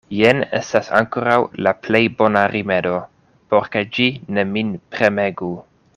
Jen estas ankoraŭ la plej bona rimedo, por ke ĝi ne min premegu.